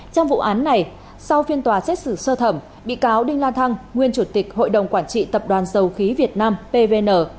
trong vụ án này sau phiên tòa xét xử sơ thẩm bị cáo đinh la thăng nguyên chủ tịch hội đồng quản trị tập đoàn dầu khí việt nam pvn